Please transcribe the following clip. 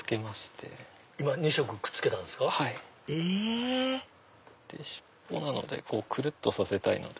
で尻尾なのでくるっとさせたいので。